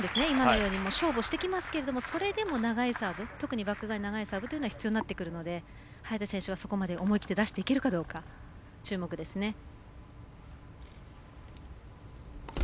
今のように勝負をしてきますけれどもそれでも長いサーブ特にバック側に長いサーブというのは必要になってくるので早田選手はそこまで思い切って出していけるか注目ですね。